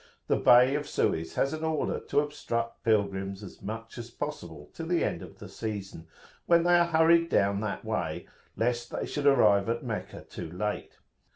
The Bey of Suez has an order to obstruct pilgrims as much as possible till the end of the season, when they are hurried down that way, lest they should arrive at Meccah too late.